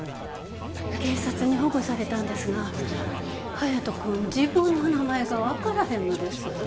警察に保護されたんですが隼人君自分の名前が分からへんのです